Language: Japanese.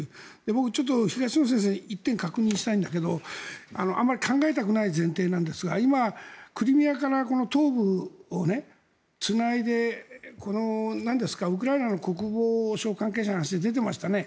僕、東野先生に１点確認したんだけどあまり考えたくない前提なんですが今、クリミアから東部をつないでウクライナの国防省関係者の話で出ていましたね。